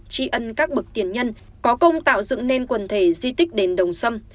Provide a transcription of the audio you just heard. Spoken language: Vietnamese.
tri ân các bực tiền nhân có công tạo dựng nên quần thể di tích đền đồng sâm